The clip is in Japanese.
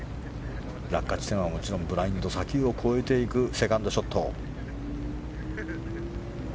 落下地点は、ブラインド砂丘を越えていくセカンドショット。